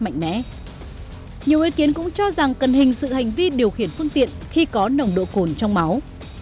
nhiều ý kiến cũng cho rằng cần hình sự hành vi điều khiển phương tiện khi có nồng độ cồn trong máu